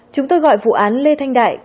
chúng tôi gọi vụ án lê thanh đại